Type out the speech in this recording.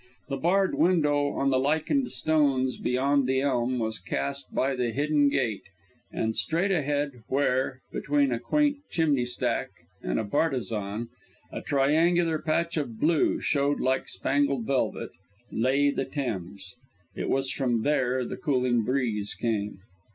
The barred shadow on the lichened stones beyond the elm was cast by the hidden gate; and straight ahead, where, between a quaint chimney stack and a bartizan, a triangular patch of blue showed like spangled velvet, lay the Thames. It was from there the cooling breeze came.